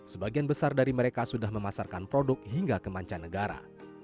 sebagian besar dari mereka sudah memasarkan produk hingga kemanca negara